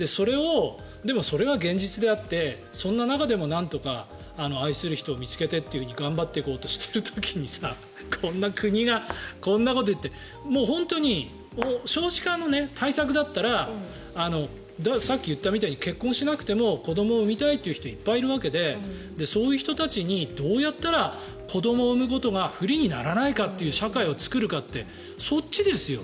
でも、それが現実であってそんな中でも愛する人を見つけてと頑張っていこうとしている時に国がこんなことを言って本当に少子化の対策だったらさっき言ったみたいに結婚しなくても子どもを生みたいという人いっぱいいるわけでそういう人たちにどうやったら子どもを生むことが不利にならないかという社会を作るかってそっちですよ。